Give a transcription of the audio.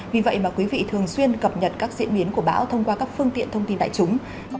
vì vậy mà quý vị thường xuyên cập nhật các diễn biến của bão thông qua các phương tiện thông tin đại chúng